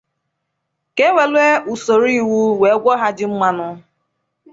ka e were usoro iwu wee gwọọ ha ji mmanụ.